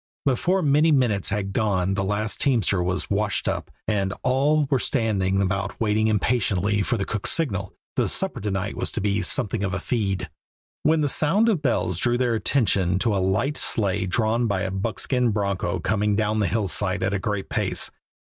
Before many minutes had gone the last teamster was "washed up," and all were standing about waiting impatiently for the cook's signal the supper to night was to be "something of a feed" when the sound of bells drew their attention to a light sleigh drawn by a buckskin broncho coming down the hillside at a great pace.